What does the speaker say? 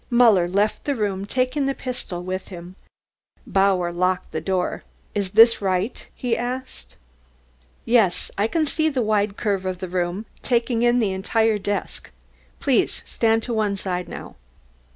Muller left the room, taking the pistol with him. Bauer locked the door. "Is this right?" he asked. "Yes, I can see a wide curve of the room, taking in the entire desk. Please stand to one side now."